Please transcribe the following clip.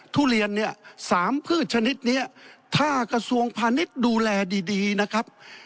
ทุเรียนเนี่ย๓พืชชนิดนี้ถ้ากระทรวงพาณิชย์ดูแลดีนะครับ